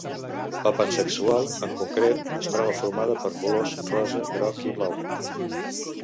La pansexual, en concret, es troba formada pels colors rosa, groc, i blau.